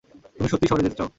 তুমি সত্যিই শহরে যেতে চাও?